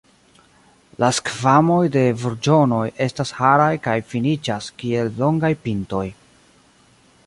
La skvamoj de burĝonoj estas haraj kaj finiĝas kiel longaj pintoj.